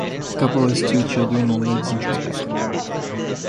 The couple has two children and lives in Tribeca.